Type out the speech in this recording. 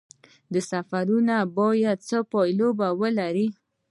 سفرونه باید څه پایله ولري؟